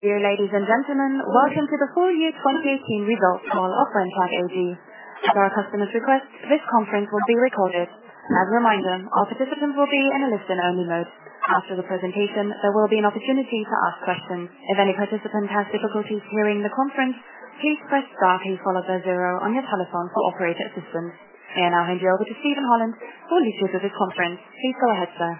Dear ladies and gentlemen. Welcome to the full year 2018 results call of Brenntag AG. At our customers' request, this conference will be recorded. As a reminder, our participants will be in a listen-only mode. After the presentation, there will be an opportunity to ask questions. If any participant has difficulties hearing the conference, please press star followed by 0 on your telephone for operator assistance. I now hand you over to Steven Holland, who will lead you through this conference. Please go ahead, sir.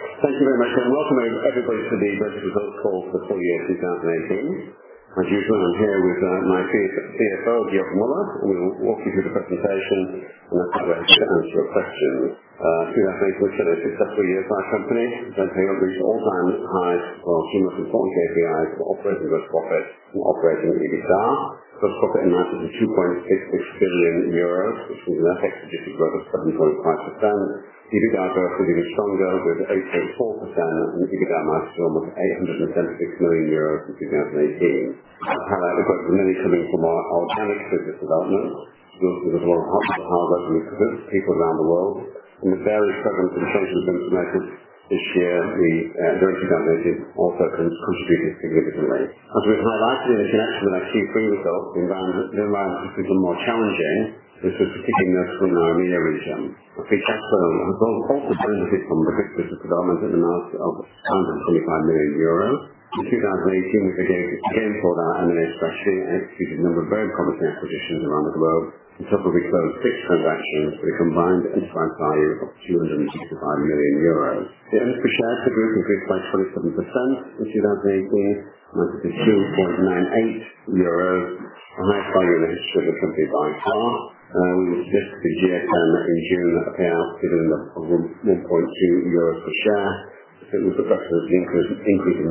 Thank you very much, and welcome everybody to the results call for full year 2018. As usual, I'm here with my CFO, Georg Müller. We will walk you through the presentation and afterwards take your questions. 2018 was a successful year for our company. Brenntag reached all-time highs on some of the important KPIs for operating those profits and operating EBITDA. Gross profit amounted to 2.66 billion euros, which means our ex was worth 7.5%. EBITDA growth continued stronger with 8.4% and EBITDA margin of almost EUR 876 million in 2018. I'll highlight, of course, the many coming from our organic business development. We also have a lot of hard-working people around the world. In the various programs and changes in the market this year, Brenntag also contributed significantly. As we highlight in this next slide, even through the environment has become more challenging, this is particularly noticeable in our M&A return. Of course, it benefited from the business development in the amount of 125 million euros. In 2018, we again saw that M&A strategy executed a number of very promising acquisitions around the world, on top of the closed six transactions with a combined enterprise value of 265 million euros. The earnings per share for the group increased by 27% in 2018, amounted to 2.98 euro, the highest value in the history of the company by far. We will suggest the year end in June a payout dividend of 1.2 euros per share. It was approximately an increase of 9.1%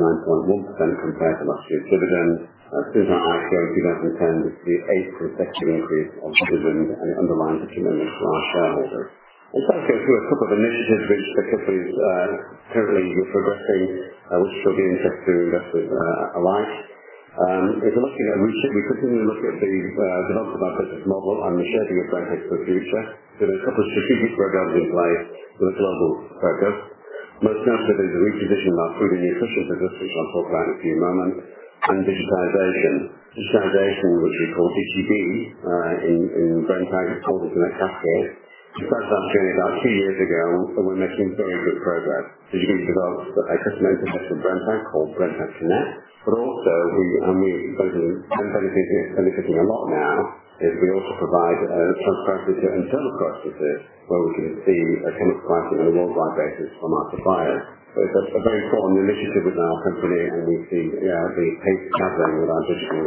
compared to last year's dividend. Since our IPO in 2010, this is the eighth consecutive increase of dividend, and it underlines the commitment to our shareholders. I'll go through a couple of initiatives which the company is currently progressing, which will be of interest to investors alike. We continue to look at the development of our business model and the shaping of Brenntag for the future. There are a couple of strategic programs in place with a global focus. Most notably, the repositioning of our food and nutrition business, which I'll talk about in a few moments, and Digitization. Digitization, which we call DTB in Brenntag, as called it in our cascade. We started our journey about two years ago, and we're making very good progress. Also benefiting a lot now is we also provide transparency to internal processes where we can see a chemical pricing on a worldwide basis from our suppliers. It's a very important initiative with our company, and we see the pace gathering with our digital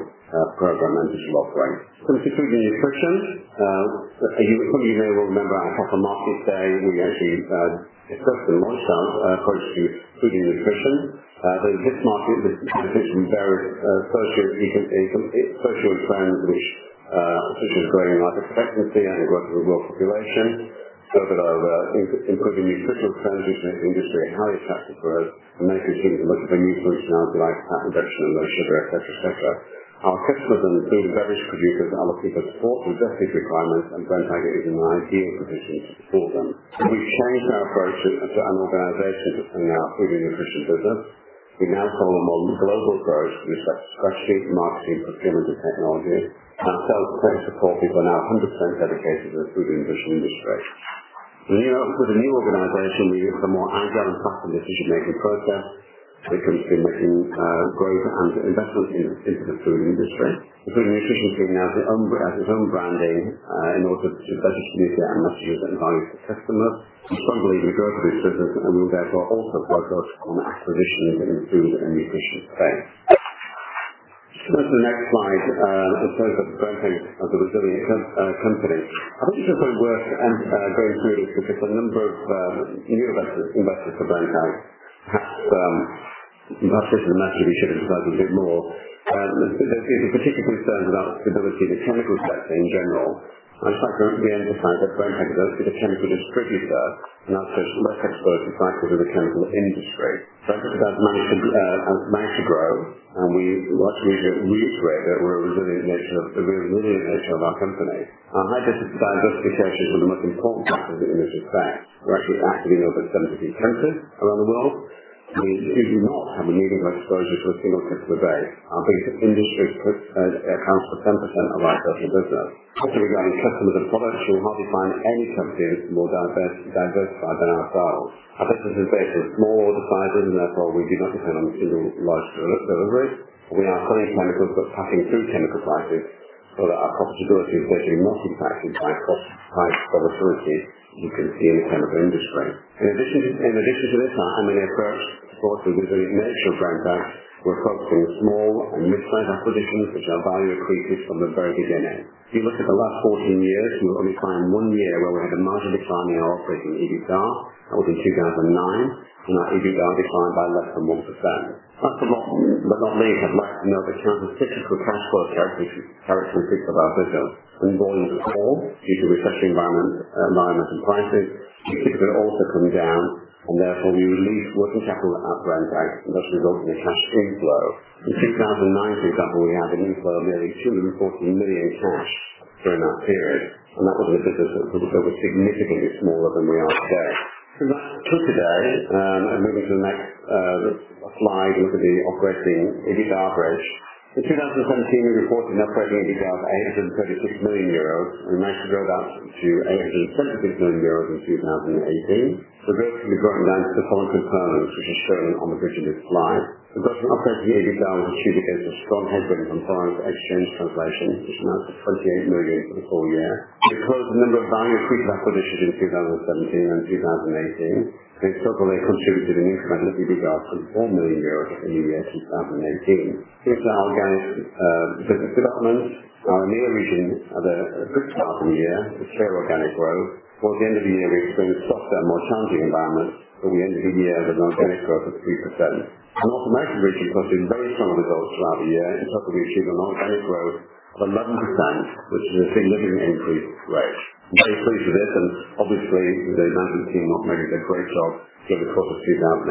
program and digital offering. Coming to food and nutrition. Some of you may well remember our Capital Markets Day. We actually discussed at length our approach to food and nutrition. This market transition is very associated with trends which are associated with growing life expectancy and growth of the world population. Our improving nutrition transition in the industry is highly attractive growth, and many consumers are looking for new functionality like fat reduction and low sugar, et cetera. Our customers include beverage producers and other people support with their food requirements, and Brenntag is in an ideal position to support them. We've changed our approach as an organization within our food and nutrition business. We now follow a more global approach to research, strategy, marketing, procurement, and technology. Our sales support people are now 100% dedicated to the food and nutrition industry. With the new organization, we have a more agile and faster decision-making process, which has been making growth and investment into the food industry. The food and nutrition team has its own branding in order to better communicate our messages and value to customers. We strongly believe in the growth of this business, and we therefore also focus on acquisition in the food and nutrition space. Go to the next slide. It says that Brenntag is a resilient company. I think this won't work and go through this because there's a number of new investors for Brenntag. Perhaps this is a message we should emphasize a bit more. There's a particular concern about stability in the chemical sector in general. I'd like to emphasize that Brenntag is a chemical distributor, and our success is less exposed to cycles of the chemical industry. Second, as managed to grow, and we watch as we reiterate the resilient nature of our company. Our high diversification is one of the most important factors in this effect. We're actually active in over 70 countries around the world. We do not have a meaningful exposure to a single customer base. Our biggest industry accounts for 10% of our personal business. Talking about any customers and products, you will hardly find any company more diversified than ourselves. Our business is based on smaller orders sizes, and therefore we do not depend on single large deliveries. We are selling chemicals but passing through chemical prices, our profitability is generally not impacted by cost price volatility you can see in the chemical industry. In addition to this, our M&A approach supports the resilient nature of Brenntag. We're focusing on small and mid-size acquisitions which are value accretive from the very beginning. If you look at the last 14 years, you will only find one year where we had a marginal decline in our operating EBITDA. That was in 2009, and our EBITDA declined by less than 1%. That's a lot. Luckily, it has less than the countercyclical cash flow characteristic of our business. When volumes fall due to recession environments and prices, EBITDA also comes down, and therefore we release working capital at Brenntag and that results in a cash inflow. In 2009, for example, we had an inflow of nearly 240 million cash during that period. That was a business that was significantly smaller than we are today. Let's flip today and move into the next slide into the operating EBITDA bridge. In 2017, we reported an operating EBITDA of 836 million euros. We managed to build that to 876 million euros in 2018. The growth can be broken down into the following components, which are shown on the bridge of this slide. The growth in operating EBITDA was achieved against a strong headwind from foreign exchange translation, which amounted to 28 million for the full year. We closed a number of value accretive acquisitions in 2017 and 2018. They still probably contributed an incremental EBITDA of 4 million euros for the year 2018. Here's our organic business development. Our EMEA region had a good start in the year with clear organic growth. Towards the end of the year, we experienced softer, more challenging environments but we ended the year with an organic growth of 3%. Our North America region posted very strong results throughout the year and was able to achieve an organic growth of 11%, which is a significant increase rate. I'm very pleased with this, and obviously the management team have made a great job during the course of 2018.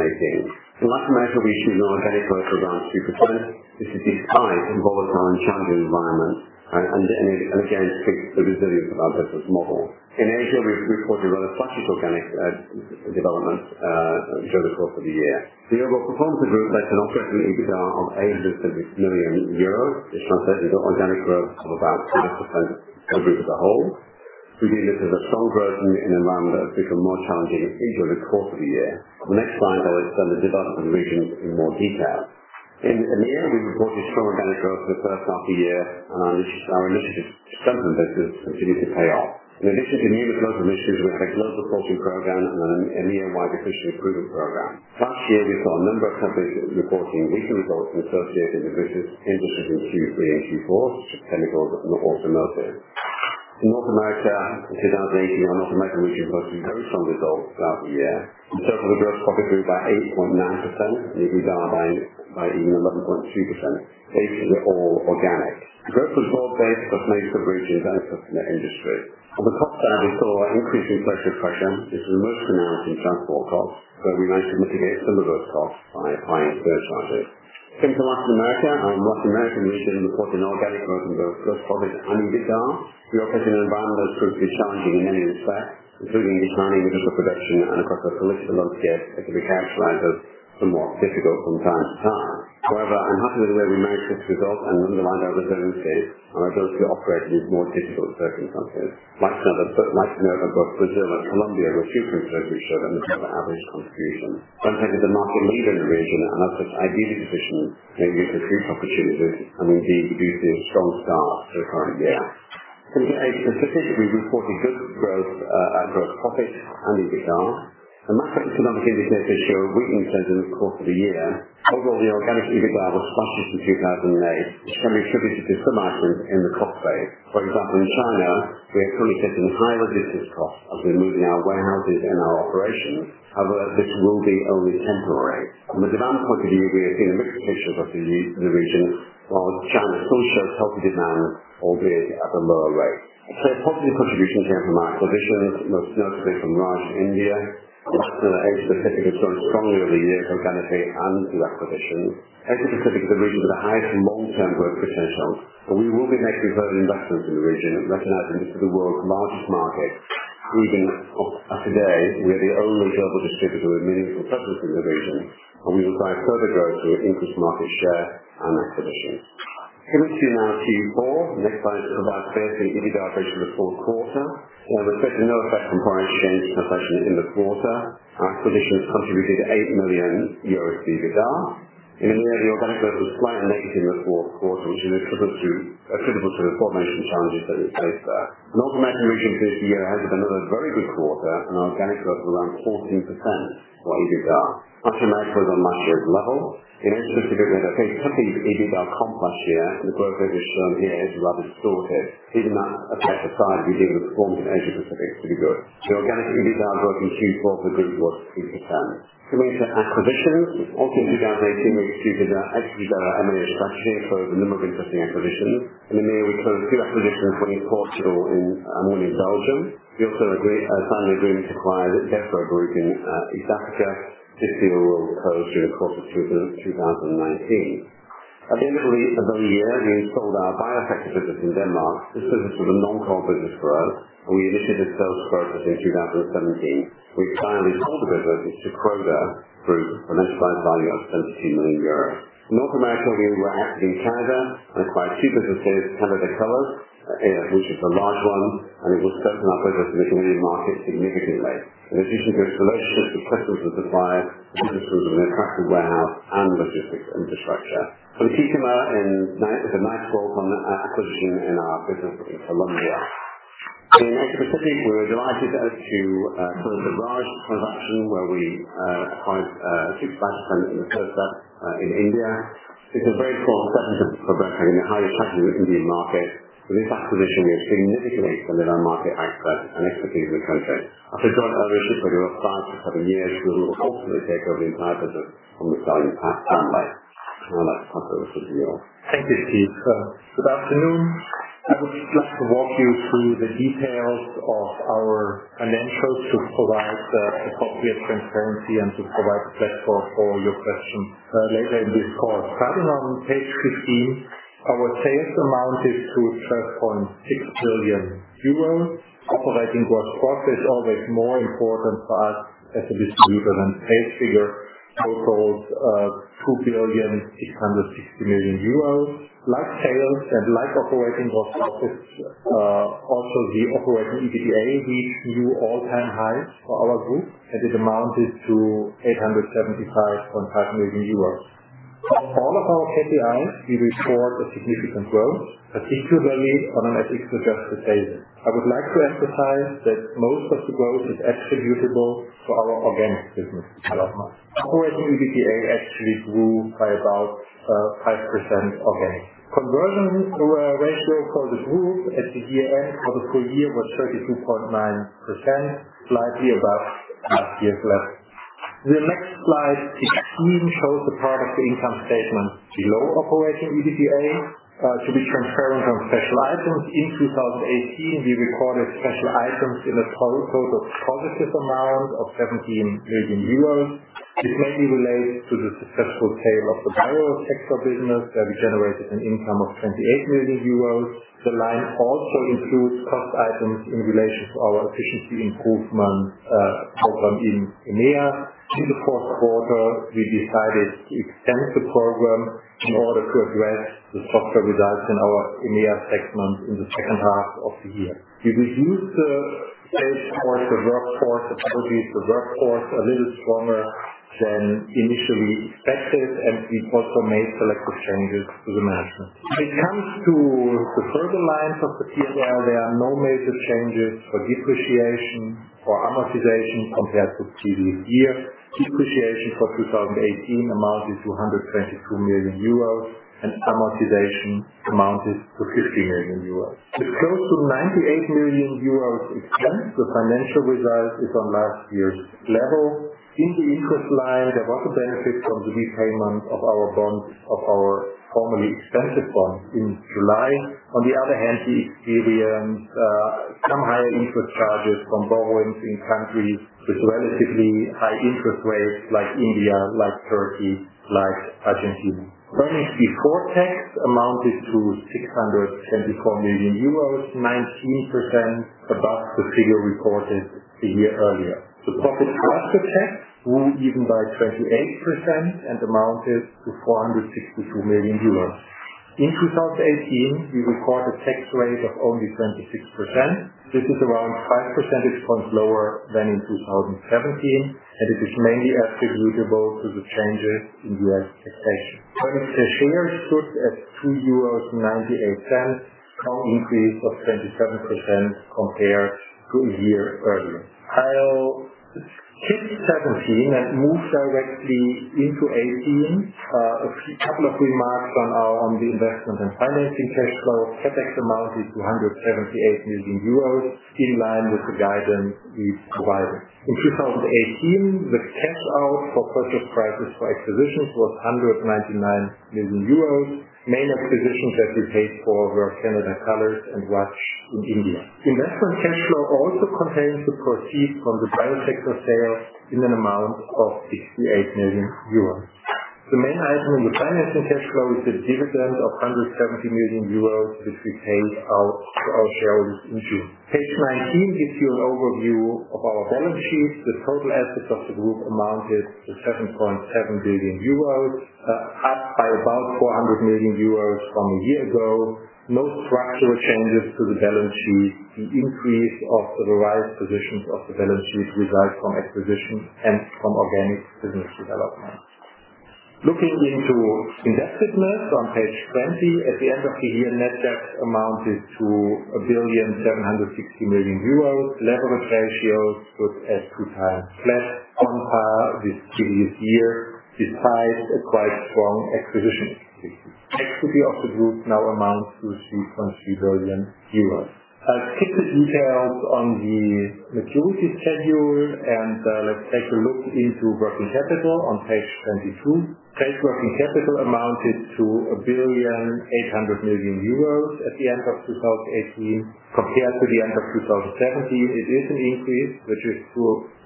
Latin America, we achieved an organic growth of around 2%. This is despite a volatile and challenging environment and again speaks to the resilience of our business model. In Asia, we reported rather sluggish organic development during the course of the year. The overall performance of the group led to an operating EBITDA of 836 million euros, which translates into organic growth of about 5% for the group as a whole. We delivered a strong growth in an environment that has become more challenging into the course of the year. On the next slide, I will explain the development of the regions in more detail. In EMEA, we reported strong organic growth for the first half of the year. Our initiatives to strengthen business continue to pay off. In addition to numerous growth initiatives, we have a global sourcing program and an EMEA-wide efficiency improvement program. Last year, we saw a number of companies reporting weaker results and associated divisions interested in Q3 and Q4, such as chemicals and automotive. In North America, in 2018, our North America region posted very strong results throughout the year. In terms of the gross profit grew by 8.9% and EBITDA by 11.2%. This is all organic. Growth was broad-based across most of the region, benefiting from the industry. On the cost side, we saw increasing inflation pressure. This was most pronounced in transport costs, but we managed to mitigate some of those costs by applying surcharges. In Latin America, our North American region reported an organic growth in both gross profit and EBITDA. We operated in an environment that has proved to be challenging in many respects, including declining industrial production and, of course, a political landscape that can be characterized as somewhat difficult from time to time. However, I'm happy with the way we managed this result and underline our resiliency and our ability to operate in these more difficult circumstances. Like South America, Brazil and Colombia were two countries that showed an above average contribution. Brazil is a market leader in the region, and as such, ideally positioned to take advantage of future opportunities and indeed we've seen a strong start to the current year. In Asia Pacific, we reported good growth, gross profit and EBITDA. In Latin America and Asia Pacific, there is no issue of weakening trends in the course of the year. Overall, the organic EBITDA was sluggish in 2018, which can be attributed to some items in the cost base. For example, in China, we are currently facing higher logistics costs as we are moving our warehouses and our operations. However, this will be only temporary. From a demand point of view, we have seen a mixed picture across the region, while China still shows healthy demand, albeit at a lower rate. Positive contributions came from our acquisitions, most notably from Raj Petro. Latin America and Asia Pacific have grown strongly over the years, organically and through acquisitions. Asia Pacific is a region with the highest long-term growth potential. We will be making further investments in the region, recognizing this is the world's largest market. Even today, we are the only global distributor with meaningful presence in the region. We will drive further growth through increased market share and acquisitions. Turning to now Q4. Next slide provides sales and EBITDA bridge for the fourth quarter. As I said, there is no effect from foreign exchange translation in the quarter. Our acquisitions contributed 8 million euros of EBITDA. In EMEA, the organic growth was slightly negative in the fourth quarter, which is attributable to the formulation challenges that we faced there. North America region finished the year with another very good quarter and organic growth of around 14% for EBITDA. Latin America was on much the same level. In Asia Pacific, comparing to EBITDA comp last year, the growth rate is shown here is rather distorted. Even at that aside, we feel the performance in Asia Pacific is pretty good. The organic EBITDA growth in Q4 for the group was 3%. Coming to acquisitions. In 2018, we achieved EBITDA almost last year for the number of interesting acquisitions. In EMEA, we closed a few acquisitions, including Portalgrup in Belgium. We also signed an agreement to acquire the Desbro Group in East Africa. This deal will close during the course of 2019. At the end of the year, we sold our Biosector business in Denmark. This business was a non-core business for us. We initiated a sales process in 2017. We finally sold the business to Croda International plc for an enterprise value of 17 million euros. In North America, we were active in Canada and acquired two businesses, Canada Colors, which is the large one, and it will strengthen our presence in the Canadian market significantly. In addition to its relationships with customers and suppliers, it also comes with an attractive warehouse and logistics infrastructure. it was a nice bolt-on acquisition in our business in Colombia. In Asia Pacific, we were delighted to close the Raj transaction, where we acquired a [65%] in the sector in India. It is a very strong segment for Brenntag in the highly attractive Indian market. With this acquisition, we have significantly delivered market access and expertise in the country. After joint ownership for the last couple of years, we will ultimately take over the entire business from the selling partner. Now back to Georg for the review. Thank you, Steve. Good afternoon. I would like to walk you through the details of our financials to provide appropriate transparency and to provide a platform for your questions later in this call. Starting on page 15, our sales amounted to 12.6 billion euros. Operating gross profit is always more important for us as a distributor than sales figure, totaled 2.66 billion. Like sales and like operating gross profits, also the operating EBITDA reached new all-time highs for our group, and it amounted to 875.5 million euros. On all of our KPIs, we report a significant growth, particularly on an EBITDA adjusted basis. I would like to emphasize that most of the growth is attributable to our organic business. Operating EBITDA actually grew by about 5% organic. Conversion ratio for the group at the year-end for the full year was 32.9%, slightly above last year's level. The next slide, 16, shows the part of the income statement below operating EBITDA. To be transparent on special items, in 2018, we recorded special items in a total of positive amount of 17 million euros. This mainly relates to the successful sale of the Biosector business, where we generated an income of 28 million euros. The line also includes cost items in relation to our efficiency improvement program in EMEA. In the fourth quarter, we decided to extend the program in order to address the softer results in our EMEA segment in the second half of the year. We reduced the sales force, the workforce, apologies. The workforce a little stronger than initially expected, and we also made selective changes to the management. When it comes to the further lines of the P&L, there are no major changes for depreciation or amortization compared to previous year. Depreciation for 2018 amounted to 122 million euros and amortization amounted to 50 million euros. With close to 98 million euros expense, the financial result is on last year's level. In the interest line, there was a benefit from the repayment of our formerly expensive bonds in July. On the other hand, we experienced some higher interest charges from borrowings in countries with relatively high interest rates like India, like Turkey, like Argentina. Earnings before tax amounted to 674 million euros, 19% above the figure reported a year earlier. The profit after tax grew even by 28% and amounted to 462 million euros. In 2018, we record a tax rate of only 26%. This is around five percentage points lower than in 2017, and it is mainly attributable to the changes in U.S. taxation. Earnings per share stood at 2.98 euros, strong increase of 27% compared to a year earlier. I'll skip 17 and move directly into 18. A couple of remarks on the investment and financing cash flow. CapEx amounted to 178 million euros, in line with the guidance we provided. In 2018, the cash out for purchase prices for acquisitions was 199 million euros. Main acquisitions that we paid for were Canada Colors and Raj Petro Specialities in India. Investment cash flow also contains the proceed from the Biosector sale in an amount of 68 million euros. The main item in the financing cash flow is the dividend of 170 million euros, which we paid out to our shareholders in June. Page 19 gives you an overview of our balance sheet. The total assets of the group amounted to 7.7 billion euros, up by about 400 million euros from a year ago. No structural changes to the balance sheet. The increase of the right positions of the balance sheet results from acquisitions and from organic business development. Looking into indebtedness on page 20. At the end of the year, net debt amounted to 1.760 billion. Leverage ratios stood at 2 times EBITDA, on par with previous year, despite a quite strong acquisition activity. Equity of the group now amounts to 3.2 billion euros. I'll skip the details on the maturity schedule. Let's take a look into working capital on page 22. Working capital amounted to 1.8 billion at the end of 2018. Compared to the end of 2017, it is an increase, which is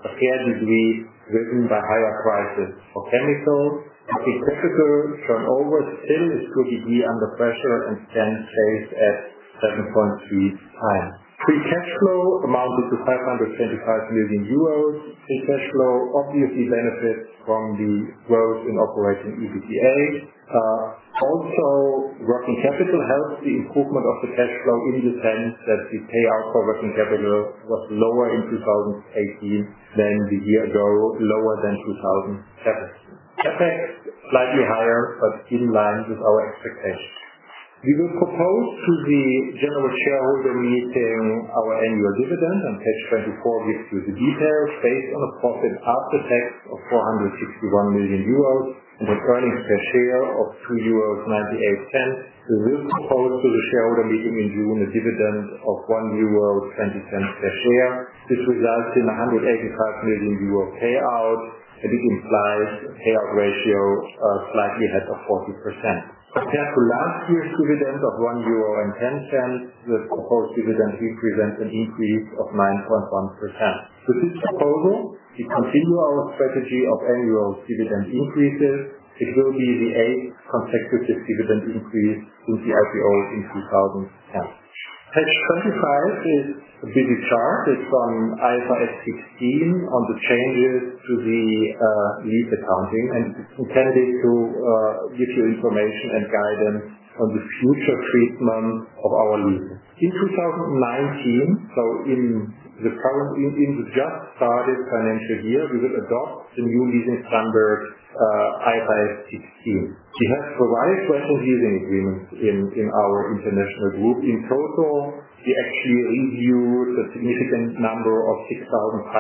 apparently driven by higher prices for chemicals. Our typical turnover still could be under pressure and stands safe at 7.3 times. Free cash flow amounted to 525 million euros. Free cash flow obviously benefits from the growth in operating EBITDA. Working capital helps the improvement of the cash flow in the sense that the payout for working capital was lower in 2018 than the year ago, lower than 2017. CapEx, slightly higher, but in line with our expectations. We will propose to the general shareholder meeting our annual dividend. Page 24 gives you the details based on a profit after tax of 461 million euros and an earnings per share of 2.98 euros. We will propose to the shareholder meeting in June a dividend of 1.20 euro per share. This results in a 185 million euro payout. It implies a payout ratio slightly ahead of 40%. Compared to last year's dividend of 1.10 euro, the proposed dividend represents an increase of 9.1%. With this proposal, we continue our strategy of annual dividend increases. It will be the 8th consecutive dividend increase since the IPO in 2010. Page 25 is a busy chart. It's from IFRS 16 on the changes to the lease accounting and intended to give you information and guidance on the future treatment of our leases. In 2019, so in the current, just started financial year, we will adopt the new leasing standard, IFRS 16. We have provided special leasing agreements in our international group. In total, we actually reviewed a significant number of 6,500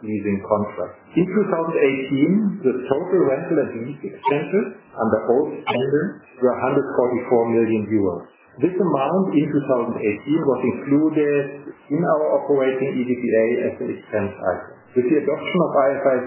leasing contracts. In 2018, the total rental and lease expenses under both standards were 144 million. This amount in 2018 was included in our operating EBITDA as an expense item. With the adoption of IFRS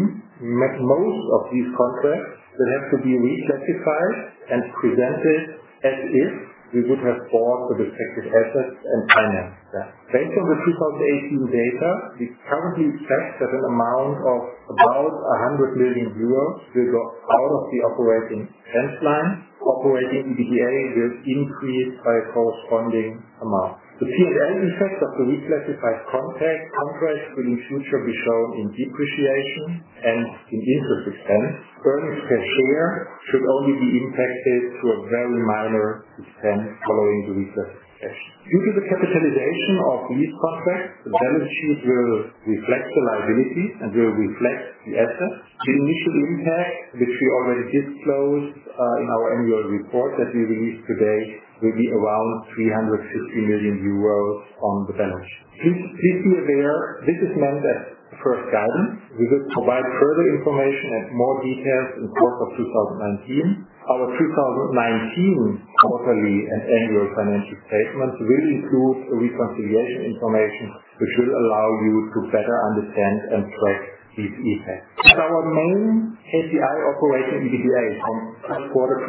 16, most of these contracts will have to be reclassified and presented as if we would have bought the respective assets and financed them. Based on the 2018 data, we currently expect that an amount of about 100 million euros will drop out of the operating expense line. Operating EBITDA will increase by a corresponding amount. The P&L effect of the reclassified contracts will in future be shown in depreciation and in interest expense. Earnings per share should only be impacted to a very minor extent following the reclassification. Due to the capitalization of lease contracts, the balance sheet will reflect the liabilities and will reflect the assets. The initial impact, which we already disclosed in our annual report that we released today, will be around 350 million euros on the balance sheet. Please be aware this is meant as first guidance. We will provide further information and more details in the course of 2019. Our 2019 quarterly and annual financial statements will include the reconciliation information, which will allow you to better understand and track these impacts. As our main KPI operating EBITDA from first quarter 2019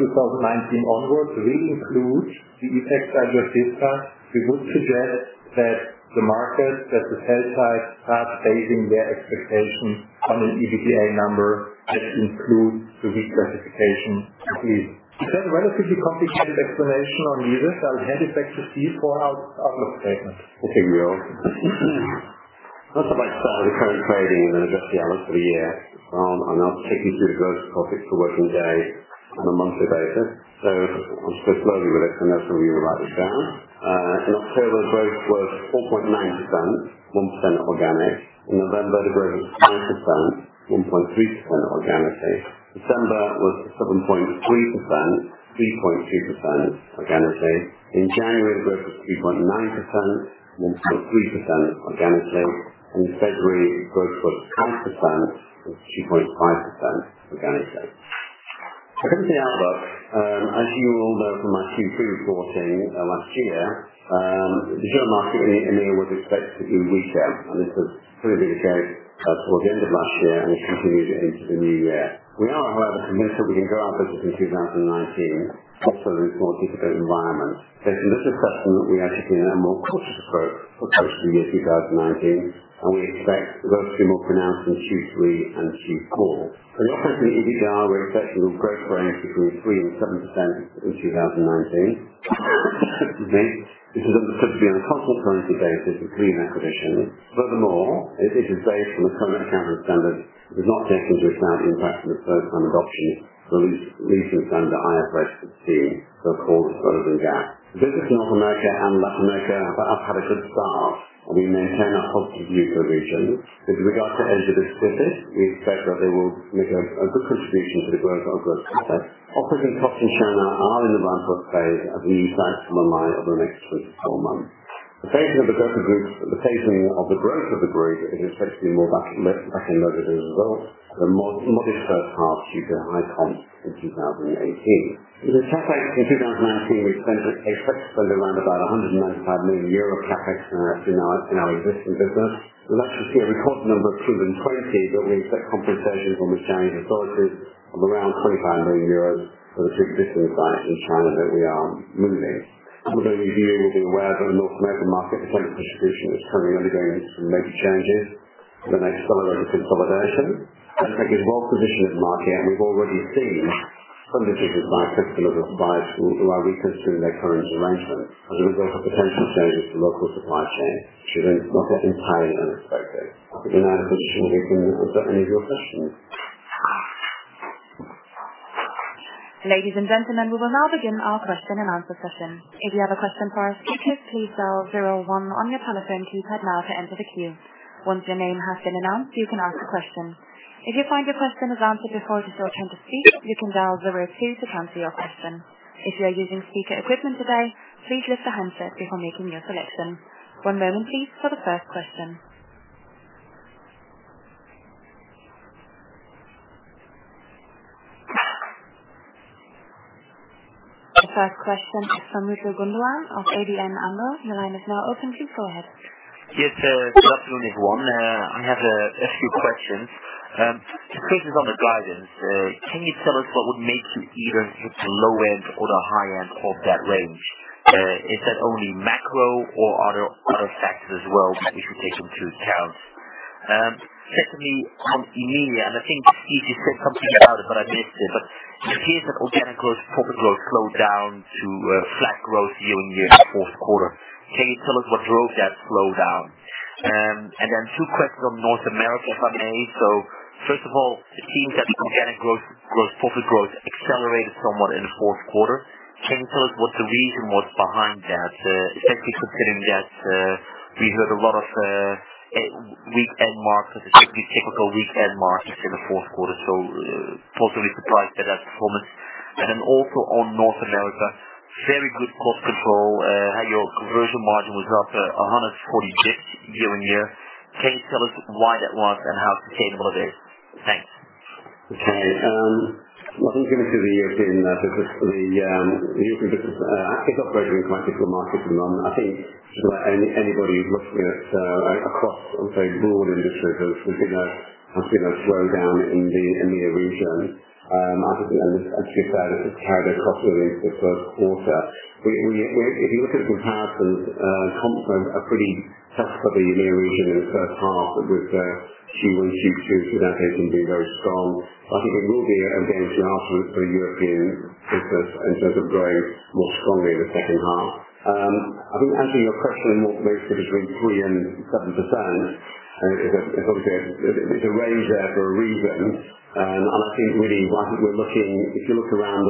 onwards will include the effects I just discussed, we would suggest that the market, that the sell side, start basing their expectations on an EBITDA number that includes the reclassification please. Is that a relatively complicated explanation on leases? I'll hand it back to Steve for our outlook statement. Thank you, Leo. Not a bad start to the current trading and just the outlook for the year. I'll now take you through the growth topics for working day on a monthly basis. I'll speak slowly with it, I know some of you will write this down. In October, growth was 4.9%, 1% organic. In November, the growth was 5%, 1.3% organic. December was 7.3%, 3.2% organic. In January, the growth was 3.9%, 1.3% organic. In February, growth was 5%, 2.5% organic. Coming to the outlook, as you will know from my Q3 reporting last year, the German market in EMEA was expected to be weaker, and this was proving to be the case towards the end of last year, and it's continued into the new year. We are, however, convinced that we can grow our business in 2019, despite a more difficult environment. Based on this assessment, we are taking a more cautious approach for the rest of the year 2019, and we expect growth to be more pronounced in Q3 and Q4. In operating EBITDA, we're expecting a growth range between 3% and 7% in 2019. Excuse me. This is on a constant currency basis and pre-M&A. Furthermore, it is based on the current accounting standards and does not take into account the impact of the current adoption of the lease standard, IFRS 16, so-called frozen GAAP. The business in North America and Latin America have had a good start, and we maintain our positive view for the region. With regards to Asia Pacific, we expect that they will make a good contribution to the growth of gross profit. Operations in Russia and China are in advance work phase as we decide from online over the next 12 months. The phasing of the growth of the group is expected to be more back-end loaded as a result of a modest first half due to high comps in 2018. In the CapEx in 2019, we expect to spend around about 195 million euro CapEx in our existing business. Last year, we recorded a number of claim recoveries that we expect compensation from the Chinese authorities of around 25 million euros for the 2 distribution sites in China that we are moving. Coming to reviewing, as you're aware, the North American market, the trend of distribution is currently undergoing some major changes with an accelerated consolidation. Brenntag is well positioned in the market, and we've already seen some business by customers who are reconsidering their current arrangements as a result of potential changes to local supply chains, which is not entirely unexpected. I think with that, we should move to any of your questions. Ladies and gentlemen, we will now begin our question and answer session. If you have a question for us, please dial zero one on your telephone keypad now to enter the queue. Once your name has been announced, you can ask a question. If you find your question is answered before it is your turn to speak, you can dial zero two to cancel your question. If you are using speaker equipment today, please lift the handset before making your selection. One moment please for the first question. The first question is from Michael Foeth of ABN AMRO. Your line is now open. Please go ahead. Yes, good afternoon, everyone. I have a few questions. First is on the guidance. Can you tell us what would make you either hit the low end or the high end of that range? Is that only macro or are there other factors as well that you should take into account? On EMEA, I think did say something about it, but I missed it. It seems that organic growth, profit growth slowed down to a flat growth year-on-year fourth quarter. Can you tell us what drove that slowdown? Two questions on North America, if I may. First of all, it seems that the organic growth, profit growth accelerated somewhat in the fourth quarter. Can you tell us what the reason was behind that, especially considering that we heard a lot of weak end markets, particularly typical weak end markets in the fourth quarter, so positively surprised by that performance. Also on North America, very good cost control, how your conversion margin was up 140 basis points year-on-year. Can you tell us why that was and how sustainable it is? Thanks. Okay. Well, I can go through the European business. The European business operating in quite a difficult market at the moment. Anybody who is looking across broad industry groups has seen a slowdown in the EMEA region. It carried across the first quarter. If you look at comparisons, comps are pretty tough for the EMEA region in the first half with Q1, Q2 for that region being very strong. There will be a chance for European business in terms of growing more strongly in the second half. Answering your question, more closely between 3% and 7%, and it is obviously a range there for a reason. If you look around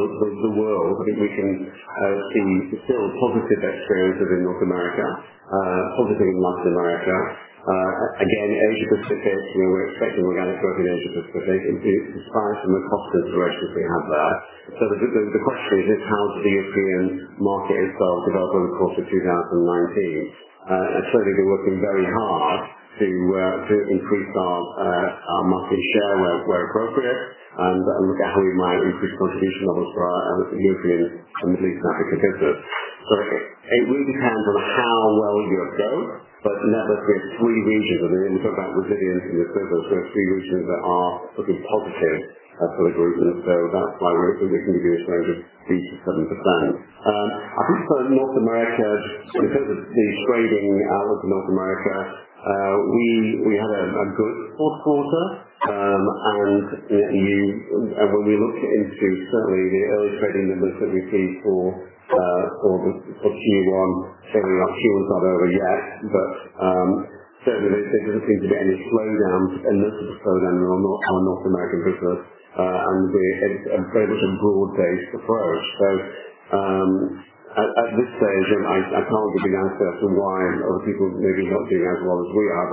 the world, we can see still positive experiences in North America, positive in Latin America. Asia Pacific, again, we were expecting organic growth in Asia Pacific. Indeed, surprised from the cost impressions we have there. The question is how does the European market itself develop over the course of 2019? We have certainly been working very hard to increase our market share where appropriate and look at how we might increase contribution levels for our European and Middle East and Africa business. It really depends on how well Europe goes. Nevertheless, we have three regions, and we talk about resilience in the business. We have three regions that are looking positive for the group, that is why we are thinking we can be at 3% to 7%. For North America, because of the trading out of North America, we had a good fourth quarter. When we look into, certainly, the early trading numbers that we have seen for Q1, fairly enough, Q1 is not over yet, but certainly there does not seem to be any slowdown or noticeable slowdown in our North American business. It is very much a broad-based approach. At this stage, I cannot give you an answer as to why other people may be not doing as well as we are.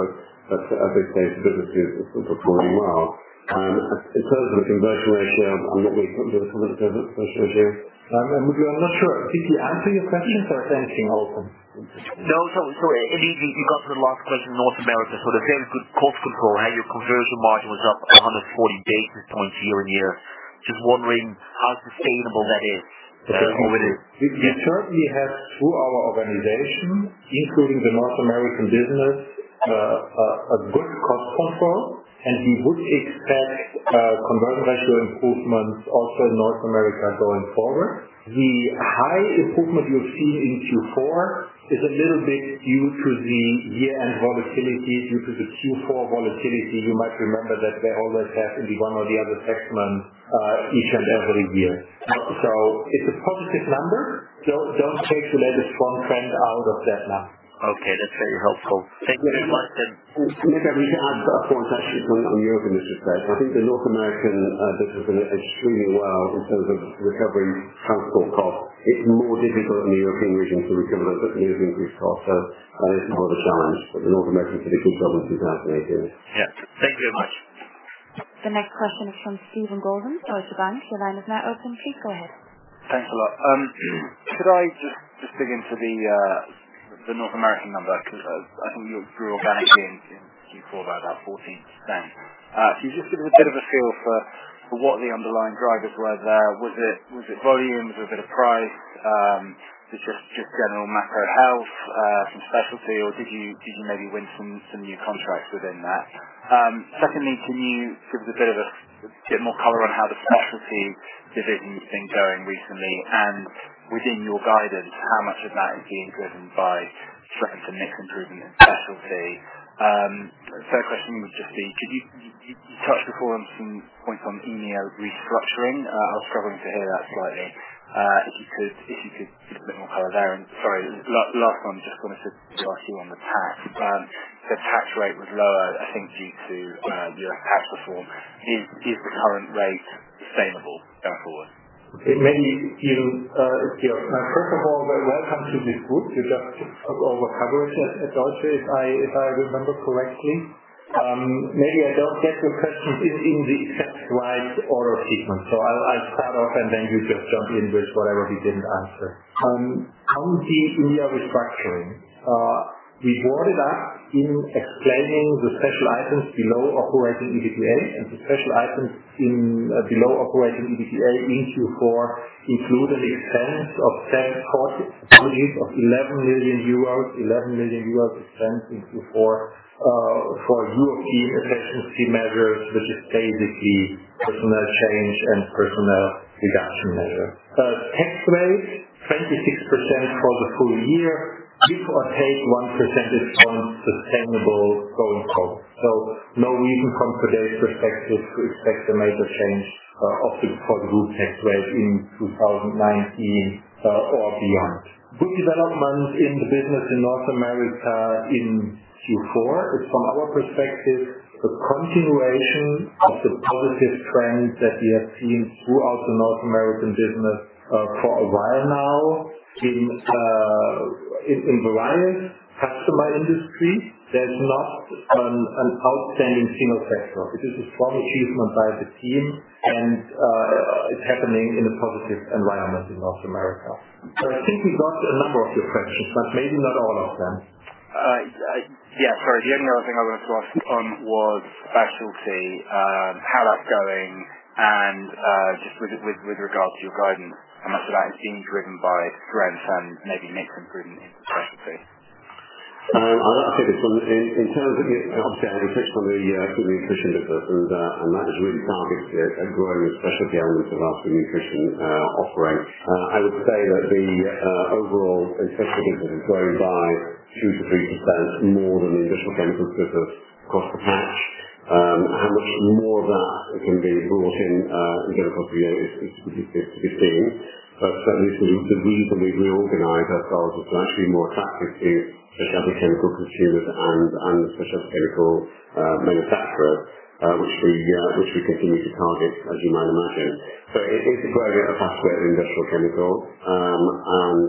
At this stage, the business is performing well. In terms of the conversion ratio and what we put into the conversion ratio. I am not sure. Did he answer your question? Thank you. Awesome. No, sorry. You got to the last question on North America. The very good cost control, how your conversion margin was up 140 basis points year-on-year. Just wondering how sustainable that is going forward. We certainly have through our organization, including the North American business, a good cost control, and we would expect conversion ratio improvements also in North America going forward. The high improvement you've seen in Q4 is a little bit due to the year-end volatility due to the Q4 volatility. You might remember that they always have the one or the other tax man each and every year. It's a positive number. Don't take the latest strong trend out of that now. That's very helpful. Thank you very much. Maybe I can add a point actually on the European business there. I think the North American business has extremely well in terms of recovering transport costs. It's more difficult in the European region to recover those particular increased costs. That is more of a challenge, but the North American should be good throughout 2019. Yeah. Thank you very much. The next question is from Steven Golden, Deutsche Bank. Your line is now open, please go ahead. Thanks a lot. Could I just dig into the North American number? Because I think you grew organically in Q4 by about 14%. Could you just give us a bit of a feel for what the underlying drivers were there? Was it volumes? Was it a price? Was it just general macro health, some specialty, or did you maybe win some new contracts within that? Secondly, can you give us a bit more color on how the specialty division has been going recently? And within your guidance, how much of that is being driven by strength and mix improvement in specialty? Third question would just be, You touched before on some points on EMEA restructuring. I was struggling to hear that slightly. If you could give a bit more color there. Sorry, last one, just wanted to ask you on the tax. The tax rate was lower, I think due to U.S. tax reform. Is the current rate sustainable going forward? First of all, welcome to this group. You just took over coverage at Deutsche, if I remember correctly. I don't get your question in the exact right order, Steven. I'll start off, and then you just jump in with whatever we didn't answer. On EMEA restructuring. We brought it up in explaining the special items below operating EBITDA, and the special items below operating EBITDA in Q4 include an expense of cost savings of 11 million euros. 11 million euros expense in Q4 for European efficiency measures, which is basically personnel change and personnel reduction measure. Tax rate, 26% for the full year. People are paid one percentage point sustainable going forward. No reason from today's perspective to expect a major change, obviously for the group tax rate in 2019 or beyond. Good development in the business in North America in Q4 is from our perspective, the continuation of the positive trend that we have seen throughout the North American business for a while now in various customer industries. There's not an outstanding theme or sector. It is a strong achievement by the team and it's happening in a positive environment in North America. I think we've answered a number of your questions, but maybe not all of them. Yeah. Sorry. The only other thing I wanted to ask on was specialty, how that's going, and just with regard to your guidance, how much of that is being driven by strength and maybe mix improvement in specialty? I'll take this one. Obviously I would touch on the human nutrition business, and that is really targeted at growing the specialty element of our human nutrition offering. I would say that the overall specialty business has grown by 2%-3% more than the industrial chemicals business across the patch. How much more of that can be brought in in terms of growth is to be seen. Certainly the reason we've reorganized ourselves is to actually be more attractive to specialty chemical consumers and the specialty chemical manufacturers, which we continue to target, as you might imagine. It's a growing element pathway of the industrial chemical, and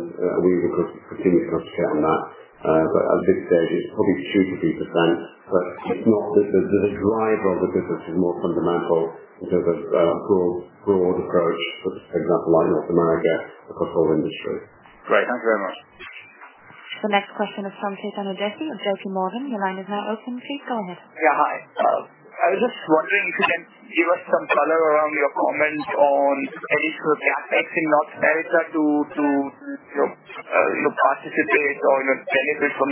we would continue to concentrate on that. At this stage it's probably 2%-3%, but the driver of the business is more fundamental in terms of broad approach, for example, like North America across all industry. Great. Thank you very much. The next question is from Keith Anastasia with JPMorgan. Your line is now open, Keith. Go ahead. Hi. I was just wondering if you can give us some color around your comment on any sort of effects in North America to participate or benefit from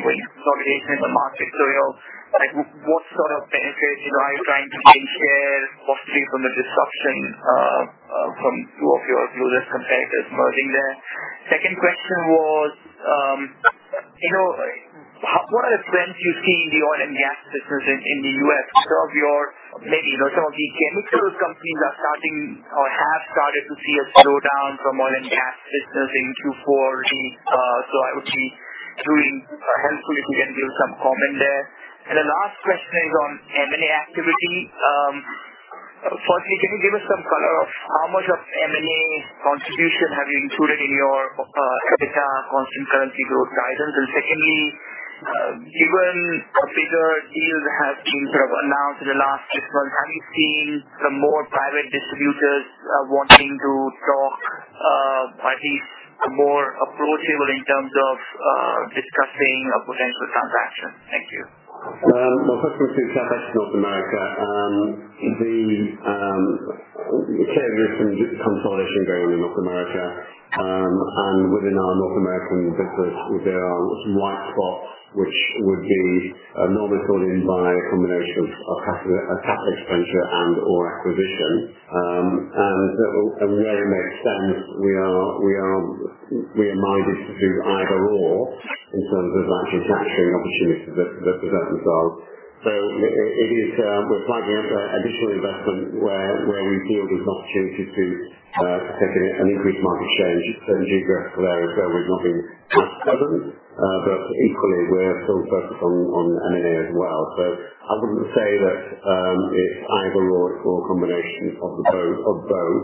wind consolidation in the market. What sort of benefits are you trying to gain share, possibly from a disruption from two of your closest competitors merging there? Second question was, what are the trends you see in the oil and gas business in the U.S.? Some of the chemical companies are starting or have started to see a slowdown from oil and gas business in Q4. I would be truly helpful if you can give some comment there. The last question is on M&A activity. Firstly, can you give us some color of how much of M&A contribution have you included in your EBITDA constant currency growth guidance? Secondly, given bigger deals have been sort of announced in the last 6 months, have you seen some more private distributors wanting to talk, are they more approachable in terms of discussing a potential transaction? Thank you. First one is CapEx North America. There's been consolidation going on in North America. Within our North American business, there are some white spots which would be normally filled in by a combination of CapEx expenditure and/or acquisition. Where it makes sense, we are minded to do either or in terms of actually capturing opportunities as they present themselves. We're planning additional investment where we feel there's an opportunity to take an increased market share in certain geographical areas, though there's nothing as present. Equally, we're still focused on M&A as well. I wouldn't say that it's either or, it's more a combination of both.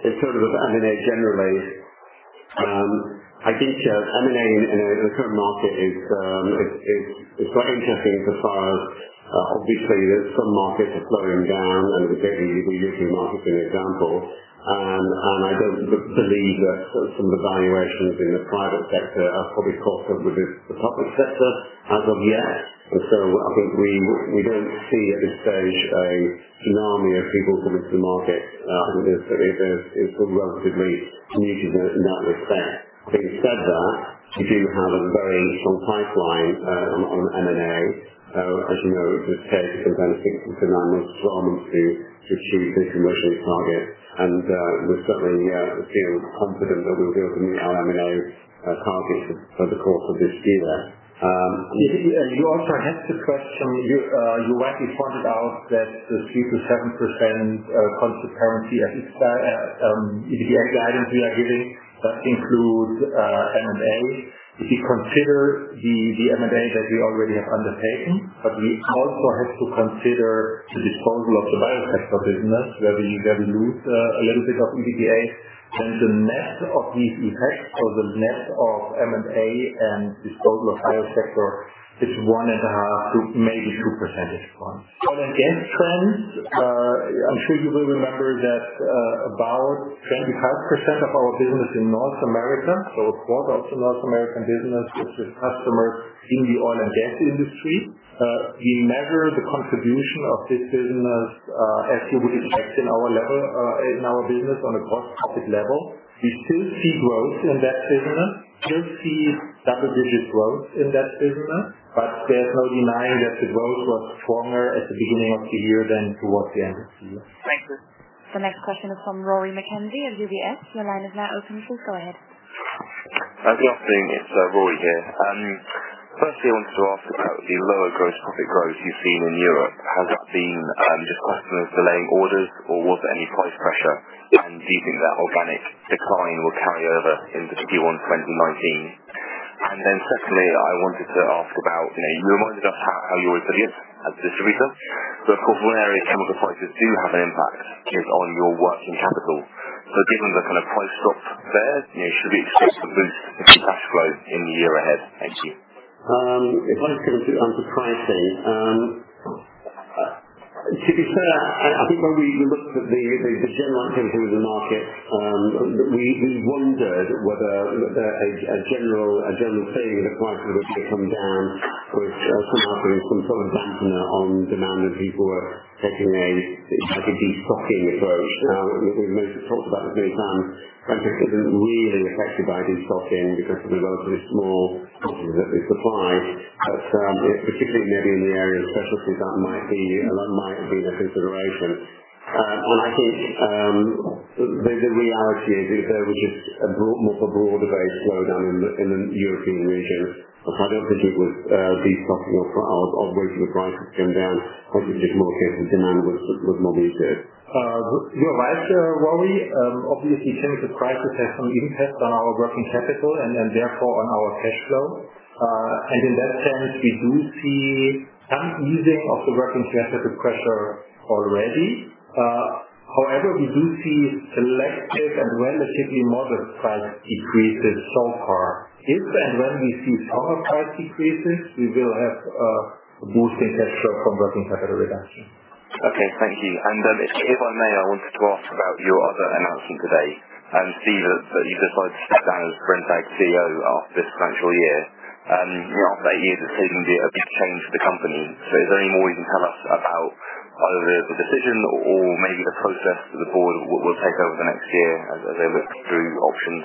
In terms of M&A generally, I think M&A in the current market is very interesting as far as, obviously there's some markets are slowing down and the U.K. utility market is an example. I don't believe that some of the valuations in the private sector are probably caught up with the public sector as of yet. I think we don't see at this stage a tsunami of people coming to the market. It's still relatively muted in that respect. Having said that, we do have a very strong pipeline on M&A. As you know, it would take a convincing tsunami for us not to achieve this commercial target. We certainly feel confident that we will meet our M&A targets for the course of this year. You also asked the question, you rightly pointed out that the 3%-7% constant currency EBITDA guidance we are giving does include M&A. If you consider the M&A that we already have undertaken, we also have to consider the disposal of the Biosector business where we lose a little bit of EBITDA. The net of these effects or the net of M&A and disposal of Biosector is 1.5-2 percentage points. Oil and gas trends, I'm sure you will remember that about 25% of our business in North America, so it's more of the North American business, which is customers in the oil and gas industry. We measure the contribution of this business as you would expect in our business on a cross topic level. We still see growth in that business, still see double-digit growth in that business, there's no denying that the growth was stronger at the beginning of the year than towards the end of the year. Thank you. The next question is from Rory McKenzie of UBS. Your line is now open, sir. Go ahead. Good afternoon. It's Rory here. Firstly, I wanted to ask about the lower gross profit growth you've seen in Europe. Has that been just customers delaying orders, or was there any price pressure? Do you think that organic decline will carry over into Q1 2019? Secondly, I wanted to ask about you reminded us how you were brilliant as a distributor, but of course, where some of the prices do have an impact is on your working capital. Given the kind of price drops there, should we expect to lose cash flow in the year ahead? Thank you. If I was going to answer pricing, to be fair, I think when we looked at the general activity in the market, we wondered whether a general feeling that prices would come down would somehow bring some sort of dampener on demand. People were taking a deep stocking approach. We've made the talks about isn't really affected by deep stocking because of the relatively small companies that we supply. Particularly maybe in the area of specialties that might be a consideration. I think the reality is there was just a broad-based slowdown in the European region. I don't think it was deep stocking as opposed to the prices going down. I think it's more a case of demand was not there. You're right, Rory. Obviously, chemical prices have an impact on our working capital and therefore on our cash flow. In that sense, we do see some easing of the working capital pressure already. However, we do see selective and relatively moderate price decreases so far. If and when we see further price decreases, we will have a boost in cash flow from working capital reduction. Okay. Thank you. Then if I may, I wanted to ask about your other announcement today and see that you decided to step down as Brenntag CEO after this financial year. You have that year, that is going to be a big change for the company. Is there any more you can tell us about either the decision or maybe the process the board will take over the next year as they look through options?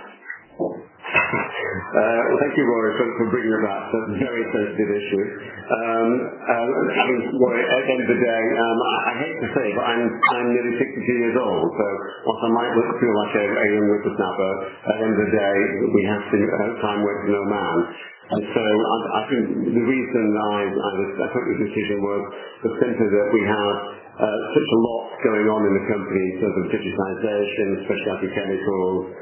Thank you, Rory, for bringing that up. That very sensitive issue. Rory, at the end of the day, I hate to say it, but I am nearly 62 years old, so whilst I might look and feel like a young whippersnapper, at the end of the day, we have to Time waits for no man. I think the reason I took this decision was simply that we have such a lot going on in the company in terms of digitization, specialty chemicals,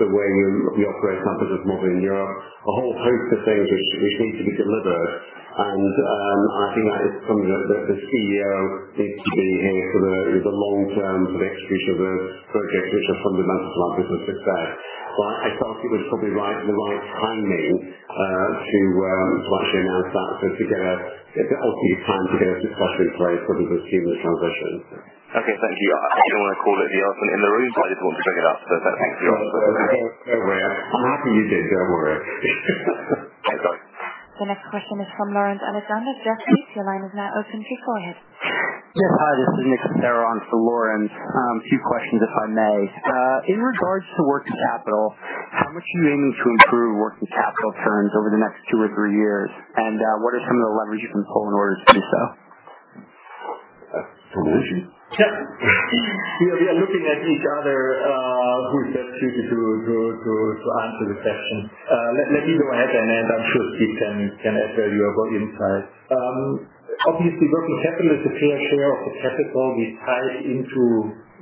the way we operate companies modeling Europe, a whole host of things which need to be delivered. I think that the CEO needs to be here for the long term to execute the project, which are fundamental to our business success. I felt it was probably the right timing to actually announce that so as to get plenty of time to get a successor in place for them to assume the transition. Okay. Thank you. I didn't want to call it the elephant in the room. I just wanted to bring it up. Thanks for answering that. Don't worry. I'm happy you did. Don't worry. Okay. Got it. The next question is from Lawrence Alexander. Jefferies, your line is now open. Please go ahead. Yes. Hi, this is Nick Sarron for Lawrence. A few questions, if I may. In regards to working capital, how much do you aim to improve working capital terms over the next two or three years? What are some of the levers you can pull in order to do so? Levers? Yeah. We are looking at each other. Who is best suited to answer the question? Let me go ahead. I'm sure Steve can add valuable insight. Obviously, working capital is a fair share of the capital we tie into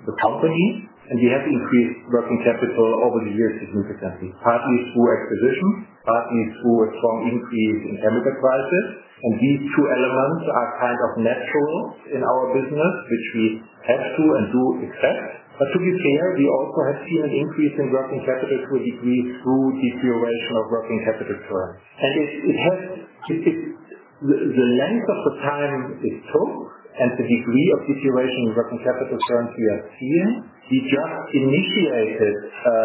the company. We have increased working capital over the years significantly, partly through acquisitions, partly through a strong increase in chemical prices. These two elements are kind of natural in our business, which we have to and do accept. To be fair, we also have seen an increase in working capital to a degree through deterioration of working capital terms. The length of the time it took and the degree of deterioration in working capital terms we are seeing, we just initiated a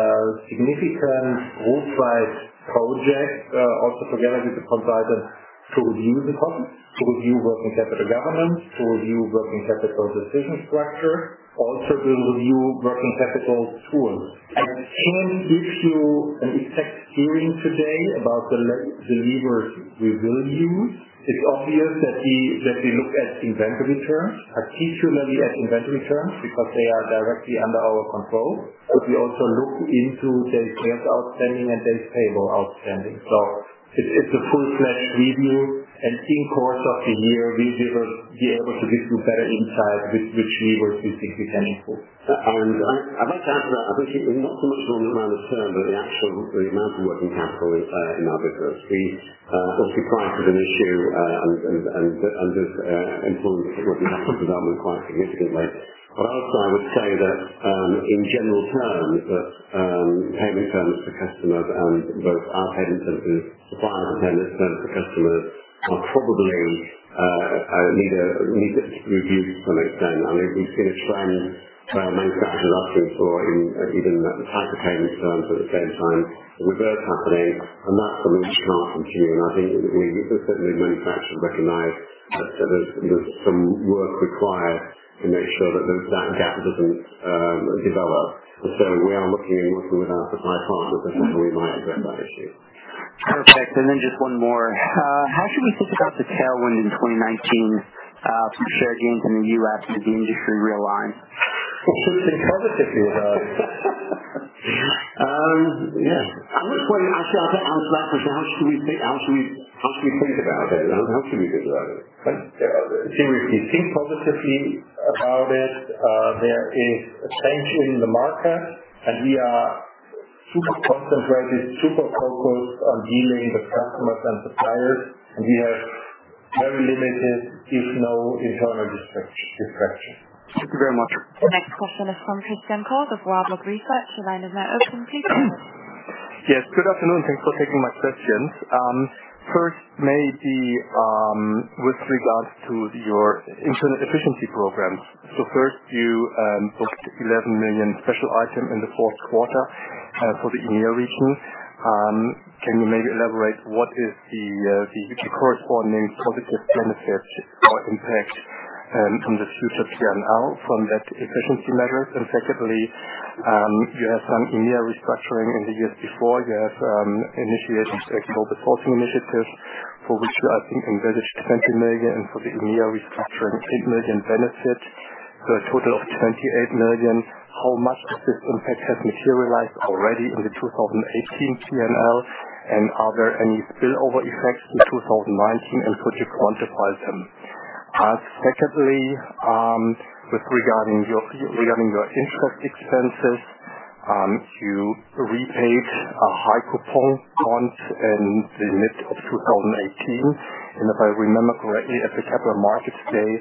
significant group-wide project also together with the providers to review deposits, to review working capital governance, to review working capital decision structure, also to review working capital tools. I can't give you an exact steering today about the levers we will use. It's obvious that we look at inventory terms, particularly at inventory terms, because they are directly under our control. We also look into days sales outstanding and days payable outstanding. It's a full-fledged review. In course of the year, we will be able to give you better insight which levers we think be helpful. I'd like to add to that. I think not so much on the amount of term, but the actual amount of working capital in our business. Obviously, price is an issue and has influenced working capital development quite significantly. Also I would say that in general terms, that payment terms to customers and both our payment terms to suppliers and payment terms to customers probably need to reduce to an extent. I mean, we've seen a trend where manufacturers are looking for even tighter payment terms at the same time. It was both happening, and that's something we can't continue. I think certainly manufacturers recognize that there's some work required to make sure that that gap doesn't develop. We are looking and working with our suppliers on how we might address that issue. Perfect. Then just one more. How should we think about the tailwind in 2019 from share gains in the U.S. with the industry realigned? Well, we should think positively about it. Yes. Actually, on the last question, how should we think about it? Seriously, think positively about it. There is a change in the market, and we are super concentrated, super focused on dealing with customers and suppliers, and we have very limited, if no internal distraction. Thank you very much. The next question is from Christian Kohl of Warburg Research. The line is now open. Please go ahead. Yes. Good afternoon. Thanks for taking my questions. With regards to your internal efficiency programs. You booked 11 million special item in the fourth quarter for the EMEA region. Can you maybe elaborate what is the corresponding positive benefit or impact from the future P&L from that efficiency measures? You have some EMEA restructuring in the years before. You have initiations like global sourcing initiatives, for which you, I think, invested 20 million and for the EMEA restructuring, 8 million benefit, a total of 28 million. How much of this impact has materialized already in the 2018 P&L? Are there any spillover effects in 2019? Could you quantify them? With regarding your interest expenses, you repaid a high coupon bond in mid-2018. If I remember correctly, at the capital markets day,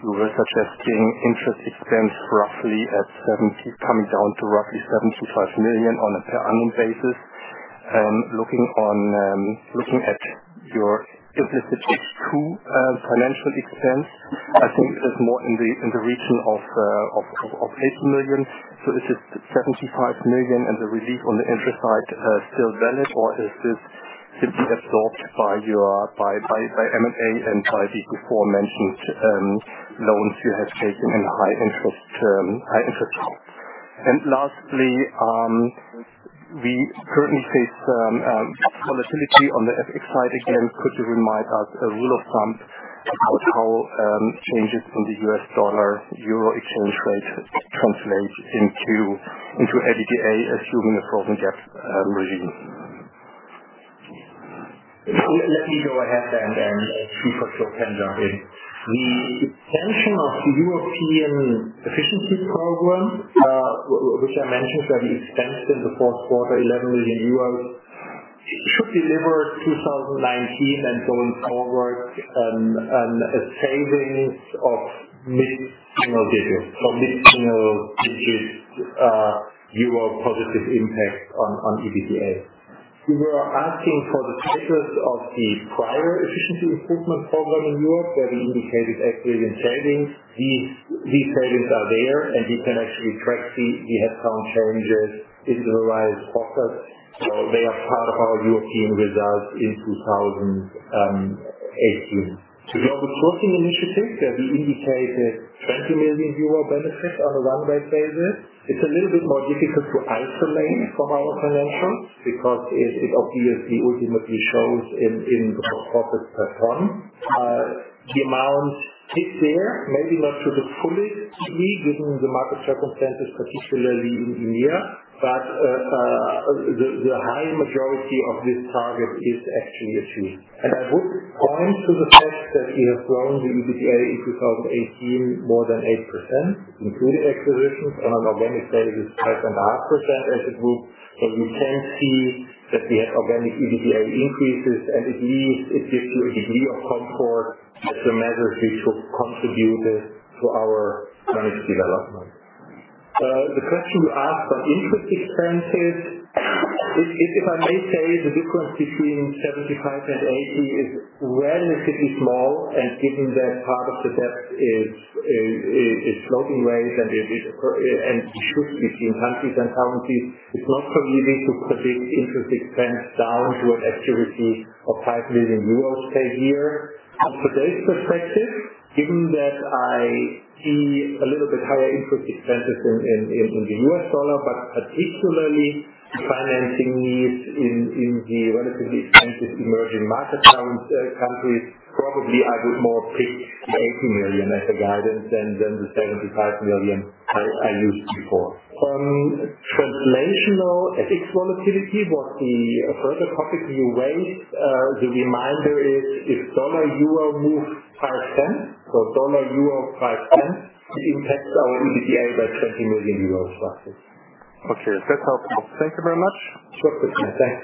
you were suggesting interest expense coming down to roughly 75 million on a per annum basis. Looking at your implicit H2 financial expense, I think it is more in the region of 80 million. Is this 75 million and the relief on the interest side still valid, or is this to be absorbed by M&A and by the before-mentioned loans you have taken in high interest? Lastly, we currently face volatility on the FX side again. Could you remind us a rule of thumb about how changes in the U.S. dollar-euro exchange rate translate into EBITDA, assuming a certain debt regime? Let me go ahead, Christoph can jump in. The extension of the European efficiency program, which I mentioned that we expensed in the fourth quarter, 11 million euros, should deliver 2019 and going forward, a savings of mid-single digits. Mid-single digits EUR positive impact on EBITDA. You were asking for the status of the prior efficiency improvement program in Europe, where we indicated activity and savings. These savings are there, you can actually track. We have some changes in the various pockets. They are part of our European results in 2018. For the sourcing initiative, where we indicated 20 million euro benefit on a run rate basis, it's a little bit more difficult to isolate from our financials because it obviously ultimately shows in the profit per ton. The amount hit there, maybe not to the fullest, given the market circumstances, particularly in EMEA. The high majority of this target is actually achieved. I would point to the fact that we have grown the EBITDA in 2018 more than 8%, including acquisitions. On an organic basis, it's 5.5% as a group. You can see that we have organic EBITDA increases, at least it gives you a degree of comfort that the measures we took contributed to our managed development. The question you asked on interest expenses, if I may say, the difference between 75 and 80 is relatively small, given that part of the debt is floating rate and shifts between countries and currencies, it's not so easy to predict interest expense down to an accuracy of 5 million euros per year. From today's perspective, given that I see a little bit higher interest expenses in the US dollar, but particularly financing needs in the relatively expensive emerging market countries, probably I would more pick the 80 million as a guidance than the 75 million I used before. On translational FX volatility, what the further topic you raised, the reminder is if dollar-euro moves 0.05, so dollar-euro 0.05, it impacts our EBITDA by 20 million euros roughly. Okay. That's helpful. Thank you very much. Sure. Thanks.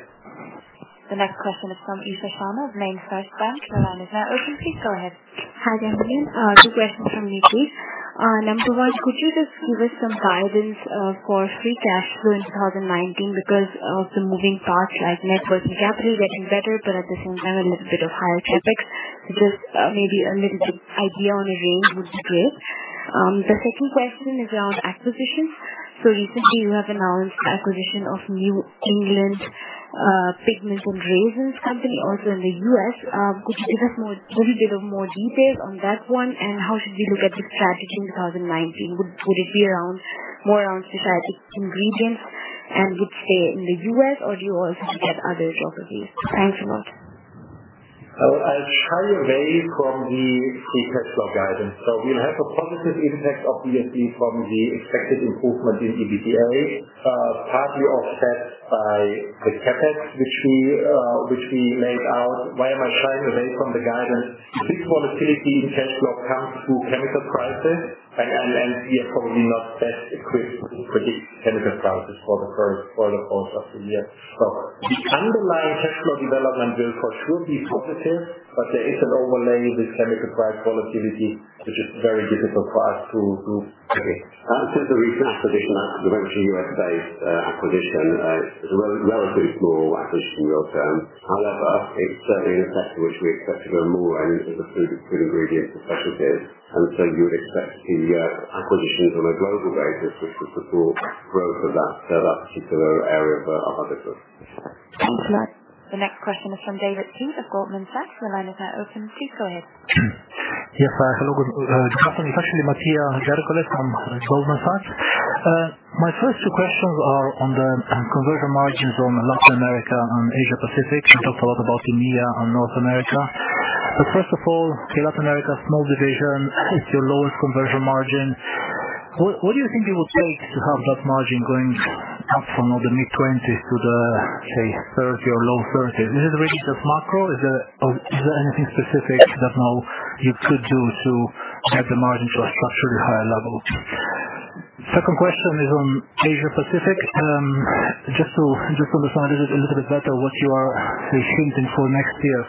The next question is from Isha Sharma of BNP Exane. Your line is now open. Please go ahead. Hi, gentlemen. Number 1, could you just give us some guidance for free cash flow in 2019 because of the moving parts like net working capital getting better, but at the same time, a little bit of higher CapEx. Just maybe a little bit idea on a range would be great. The second question is around acquisitions. Recently, you have announced acquisition of New England Resins & Pigments Corporation also in the U.S. How should we look at the strategy in 2019? Would it be more around specialty ingredients? Would stay in the U.S., or do you also look at other geographies? Thanks a lot. I'll shy away from the free cash flow guidance. We'll have a positive impact obviously from the expected improvement in EBITDA, partly offset by the CapEx, which we laid out. Why am I shying away from the guidance? Big volatility in cash flow comes through chemical prices, and we are probably not best equipped to predict chemical prices for the first quarter of the year. The underlying cash flow development therefore should be positive, but there is an overlay with chemical price volatility, which is very difficult for us to predict. Since the recent acquisition, the virtually U.S.-based acquisition, it's a relatively small acquisition in real terms. However, it's certainly a sector which we expect to grow more into the food ingredient specialties. You would expect the acquisitions on a global basis, which would support growth of that particular area of our business. Thank you. The next question is from David King of Goldman Sachs. The line is now open. Please go ahead. Yes. Hello. Good afternoon. It is actually Mattia Gerigolo from Goldman Sachs. My first two questions are on the conversion margins on Latin America and Asia Pacific. You talked a lot about EMEA and North America. First of all, Latin America, small division, it is your lowest conversion margin. What do you think it would take to have that margin going up from the mid-20s to the, say, 30 or low 30s? Is it really just macro? Is there anything specific that now you could do to get the margin to a structurally higher level? Second question is on Asia Pacific. Just to understand a little bit better what you are assuming for next year.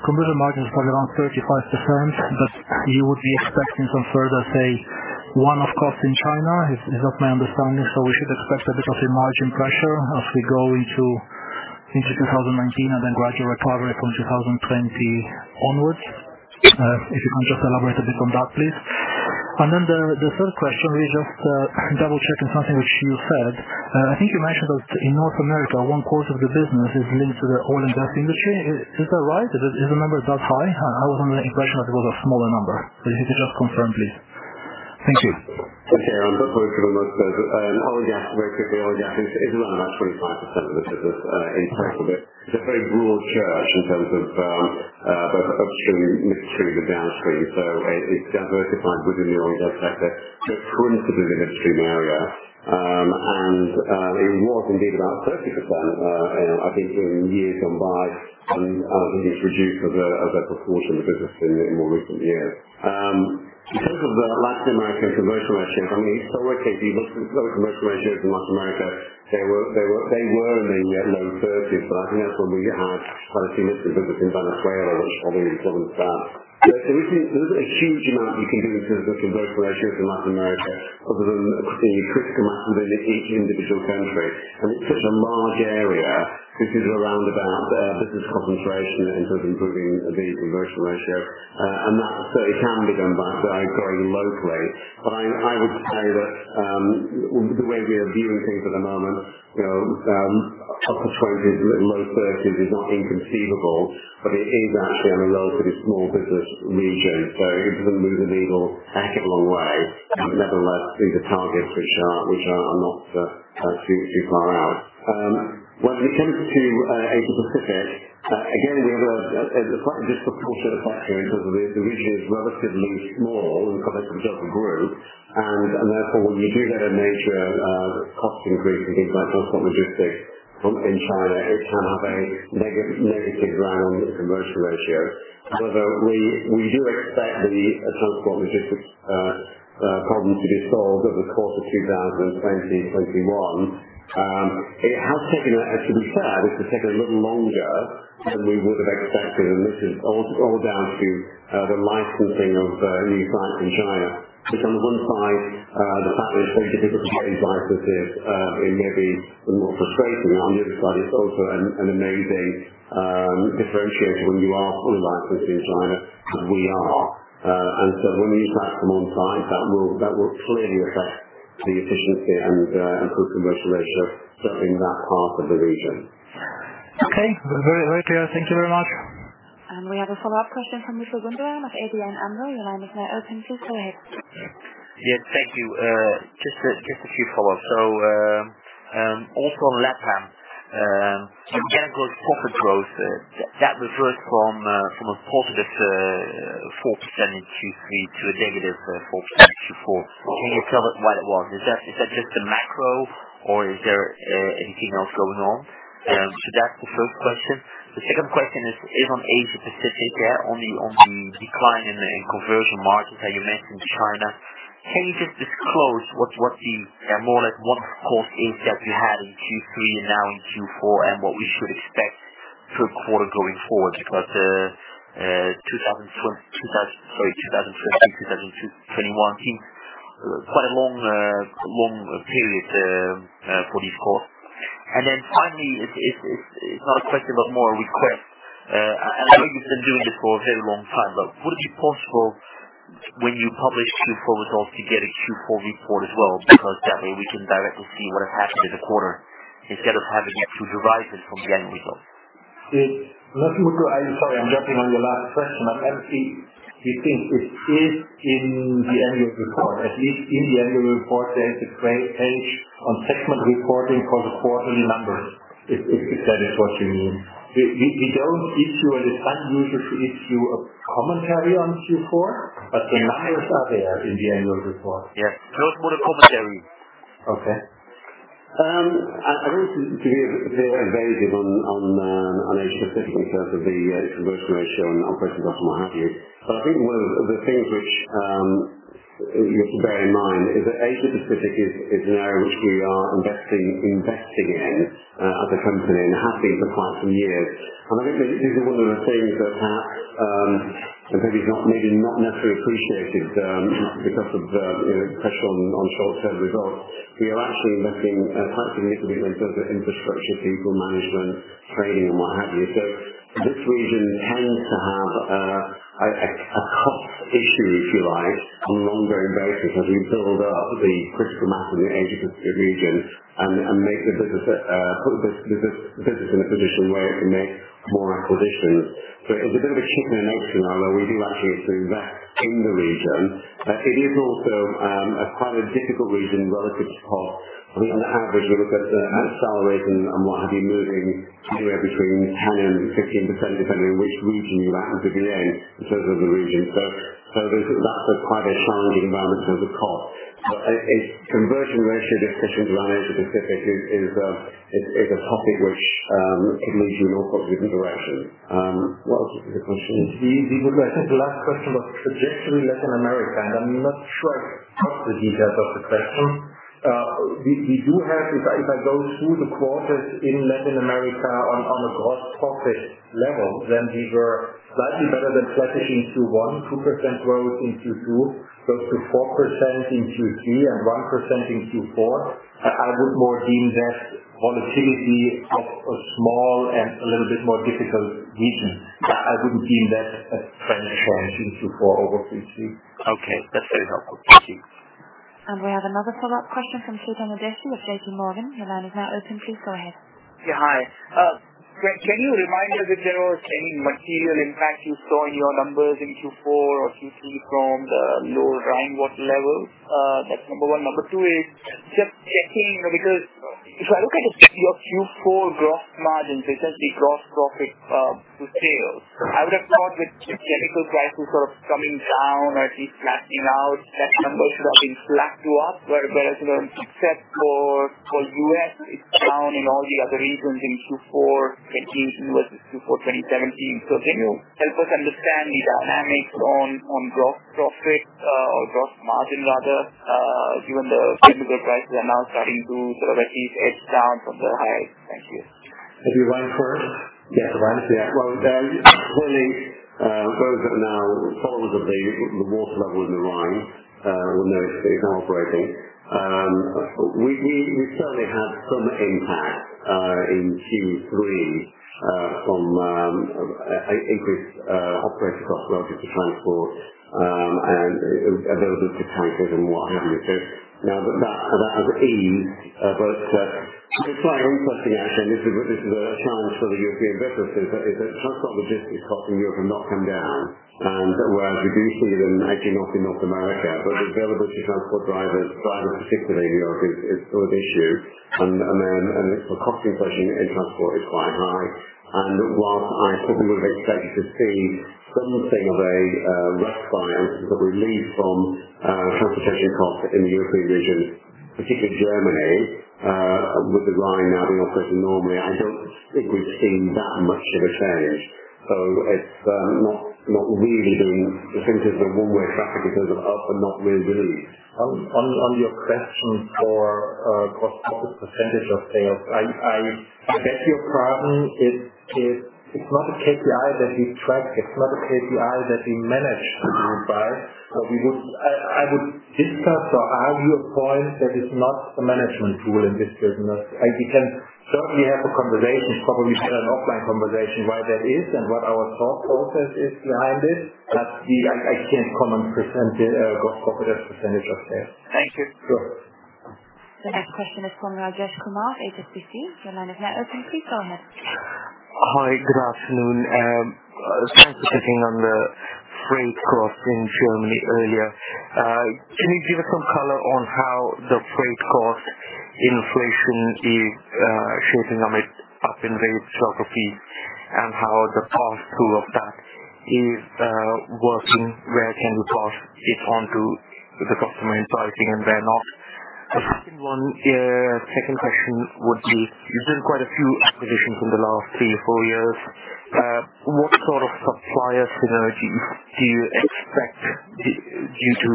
Conversion margin is probably around 35%, but you would be expecting some further, say, one-off cost in China. Is that my understanding? We should expect a bit of a margin pressure as we go into 2019 and then gradually progress on 2020 onwards. If you can just elaborate a bit on that, please. The third question is just double-checking something which you said. I think you mentioned that in North America, one quarter of the business is linked to the oil and gas industry. Is that right? Is the number that high? I was under the impression that it was a smaller number. If you could just confirm, please. Thank you. Okay. Thank you very much. Oil and gas is around about 25% of the business in total. It is a very broad church in terms of upstream, midstream, and downstream. It is diversified within the oil and gas sector, but principally midstream area. It was indeed about 30% I think in years gone by, and I think it has reduced as a proportion of the business in more recent years. In terms of the Latin American conversion ratios, it is all right if you look at the conversion ratios in Latin America. They were in the low 30s, but I think that is when we had quite a few bits of business in Venezuela, which probably influenced that. There isn't a huge amount you can do in terms of conversion ratios in Latin America other than the critical mass within each individual country. It is such a large area. This is around about business concentration in terms of improving the conversion ratio, and that can be done by growing locally. I would say that the way we are viewing things at the moment, upper 20s, low 30s is not inconceivable, but it is actually a relatively small business region, so it does not move the needle a heck of a long way. Nevertheless, these are targets which are not too far out. When it comes to Asia Pacific, again, there is a disproportionate factor in terms of the region is relatively small in terms of the group, and therefore, when you do get a major cost increase in things like transport logistics in China, it can have a negative round conversion ratio. However, we do expect the transport logistics problem to be solved over the course of 2020, 2021. To be fair, this has taken a little longer than we would have expected, this is all down to the licensing of new plants in China. On the one side, the fact that it's very difficult to get licenses, it may be more frustrating. On the other side, it's also an amazing differentiator when you are full of licenses in China as we are. So when we have them on site, that will clearly affect the efficiency and improve conversion ratios in that part of the region. Okay. Very clear. Thank you very much. We have a follow-up question from Michael Foeth of ABN AMRO. Your line is now open. Please go ahead. Yes, thank you. Just a few follow-ups. Also on LATAM, your organic profit growth, that reversed from a positive 4% in Q3 to a negative 4% in Q4. Can you tell us why that was? Is that just the macro or is there anything else going on? That's the first question. The second question is on Asia Pacific there on the decline in conversion margins that you mentioned in China. Can you just disclose what the more like one quarter is that you had in Q3 and now in Q4 and what we should expect full quarter going forward? 2020, 2021 seems quite a long period for this call. Finally, it's not a question, but more a request. I know you've been doing this for a very long time. Would it be possible when you publish Q4 results to get a Q4 report as well? That way we can directly see what has happened in the quarter instead of having it to derive it from the end result. Michael, I'm sorry, I'm jumping on your last question. We think it is in the annual report. At least in the annual report, there is a great page on segment reporting for the quarterly numbers, if that is what you mean. We don't issue, and it's unusual to issue, a commentary on Q4, but the numbers are there in the annual report. Yes. Not for the commentary. Okay. I don't want to give you a zero evasion on Asia-Pacific in terms of the conversion ratio and operating profit and what have you. I think one of the things which you should bear in mind is that Asia-Pacific is an area which we are investing in as a company and have been for quite some years. I think this is one of the things that has maybe not necessarily appreciated because of the pressure on short-term results. We are actually investing heavily in terms of infrastructure, people management, training, and what have you. This region tends to have a cost issue, if you like, on a longer basis as we build up the critical mass in the Asia-Pacific region and put the business in a position where it can make more acquisitions. It is a bit of a chicken and egg scenario where we do actually have to invest in the region. It is also quite a difficult region relative to cost. I mean, on average, we look at salaries and what have you moving anywhere between 10% and 15%, depending on which region you happen to be in in terms of the region. That's quite a challenging balance in terms of cost. Conversion ratio, if you like, in Asia-Pacific is a topic which could lead you in all sorts of different directions. What was the second question? I think the last question was trajectory Latin America, I'm not sure I got the details of the question. If I go through the quarters in Latin America on a gross profit level, we were slightly better than flat-ish in Q1, 2% growth in Q2, close to 4% in Q3, and 1% in Q4. I would more deem that volatility of a small and a little bit more difficult region. I wouldn't deem that a trend change in Q4 over Q3. Okay, that's very helpful. Thank you. We have another follow-up question from Chetan Udeshi with JPMorgan. Your line is now open. Please go ahead. Hi. Can you remind us if there was any material impact you saw in your numbers in Q4 or Q3 from the low Rhine water level? That is number one. Number two is just checking, because if I look at your Q4 gross margins, which are the gross profit to sales, I would have thought with chemical prices sort of coming down or at least flattening out, that number should have been flat to up. Whereas except for U.S., it is down in all the other regions in Q4 2018 versus Q4 2017. Can you help us understand the dynamics on gross profit or gross margin rather, given the chemical prices are now starting to sort of at least edge down from their highs? Thank you. If you Rhine first? Yes, Rhine. Well, clearly, those that are now followers of the water level in the Rhine will know it is now operating. We certainly had some impact in Q3 from increased operating costs relative to transport and availability of tankers and what have you. Now that has eased, but it is quite interesting actually, and this is a challenge for the European businesses, is that transport logistics costs in Europe have not come down and we are reducing them, actually not in North America. Availability of transport drivers particularly in Europe, is still an issue. The cost inflation in transport is quite high. Whilst I certainly would have expected to see something of a rough science of relief from transportation costs in the European region, particularly Germany, with the Rhine now being open normally, I do not think we have seen that much of a change. It seems it is a one-way traffic in terms of up and not really relieved. On your question for gross profit percentage of sales, I get your problem. It is not a KPI that we track. It is not a KPI that we manage the group by. I would discuss or argue a point that is not a management tool in this business. We can certainly have a conversation, probably better an offline conversation, why that is and what our thought process is behind it. I cannot comment gross profit as a percentage of sales. Thank you. Sure. The next question is from Rajesh Kumar, HSBC. Your line is now open. Please go ahead. Hi. Good afternoon. Just checking on the freight cost in Germany earlier. Can you give us some color on how the freight cost inflation is shaping up in the geography and how the pass through of that is working? Where can you pass it on to the customer in pricing and where not? Second question would be, you have done quite a few acquisitions in the last three or four years. What sort of supplier synergies do you expect due to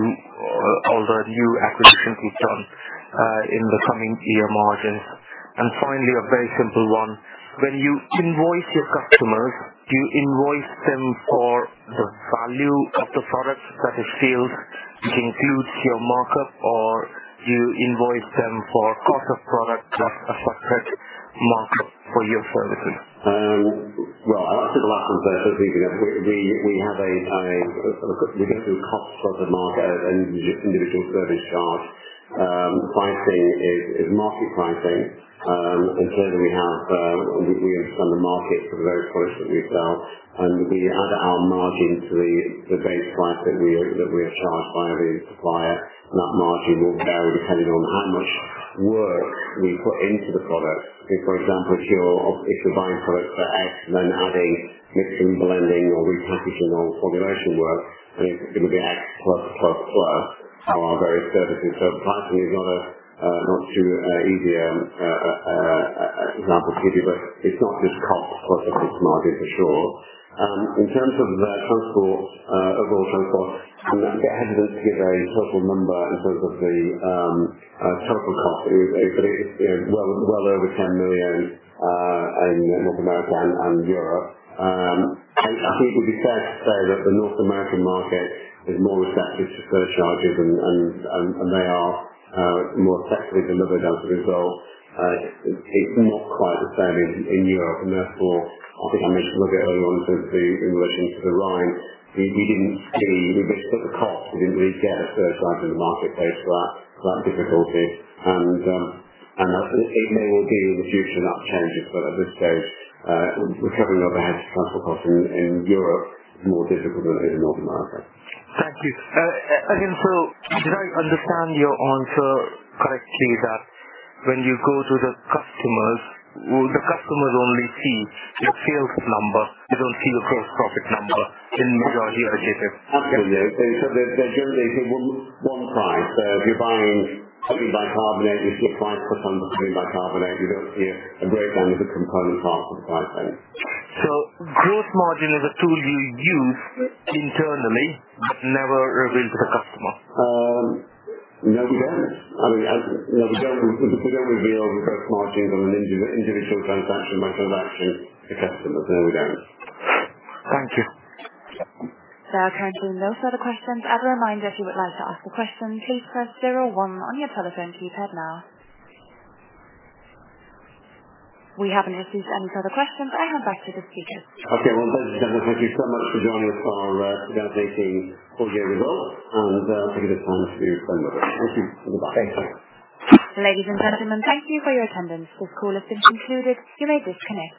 all the new acquisitions you have done in the coming year margins? Finally, a very simple one. When you invoice your customers, do you invoice them for the value of the product that is filled, which includes your markup, or do you invoice them for cost of product plus a separate markup for your services? I'll take the last one first. We go through cost plus the markup and individual service charge. Pricing is market pricing. Clearly, we understand the markets for the very products that we sell, and we add our margin to the base price that we are charged by the supplier. That margin will vary depending on how much work we put into the product. Say, for example, if you're buying products for X, then adding mixing, blending or repackaging or formulation work, then it would be X plus, plus our various services. Pricing, we've got a not too easy example for you, but it's not just cost plus a fixed margin for sure. In terms of transport, overall transport, I'm hesitant to give a total number in terms of the total cost. It is well over 10 million in North America and Europe. I think it would be fair to say that the North American market is more receptive to surcharges, and they are more effectively delivered as a result. It's not quite the same in Europe. I think I mentioned a little bit earlier on in relation to the Rhine, we just put the cost. We didn't really get a surcharge in the marketplace for that difficulty. It may well be in the future that changes, but at this stage, recovering overhead transport costs in Europe is more difficult than it is in North America. Thank you. Again, did I understand your answer correctly, that when you go to the customers, will the customers only see your sales number? They don't see the gross profit number in majority of the cases. Absolutely. They generally see one price. If you're buying sodium bicarbonate, you see a price for the sodium bicarbonate. You don't see a breakdown of the component parts of the price there. gross margin is a tool you use internally but never reveal to the customer. No, we don't. We don't reveal the gross margins on an individual transaction basis actually to customers. No, we don't. Thank you. Currently no further questions. As a reminder, if you would like to ask a question, please press zero one on your telephone keypad now. We haven't received any further questions. I hand back to the speaker. Okay. Well, ladies and gentlemen, thank you so much for joining us for updating full year results, thank you for your time. Thank you. Goodbye. Thanks. Bye. Ladies and gentlemen, thank you for your attendance. This call has been concluded. You may disconnect.